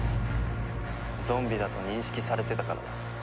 ゾンビだと認識されてたからだ。